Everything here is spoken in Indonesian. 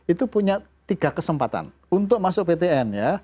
itu punya tiga kesempatan untuk masuk ptn ya